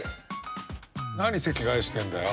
何席替えしてんだよ。